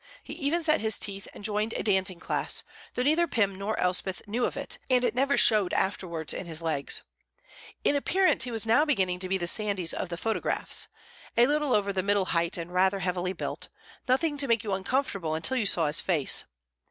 He even set his teeth and joined a dancing class; though neither Pym nor Elspeth knew of it, and it never showed afterwards in his legs. In appearance he was now beginning to be the Sandys of the photographs: a little over the middle height and rather heavily built; nothing to make you uncomfortable until you saw his face.